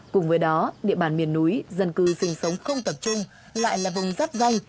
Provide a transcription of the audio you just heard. cùng với đó địa bàn miền núi dân cư sinh sống không tập trung lại là vùng rắp danh